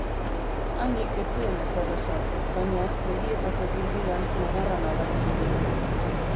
Annyk ez zuen ezer esan baina, begietako dirdiran negarra nabaritu nion.